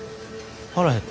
腹減った。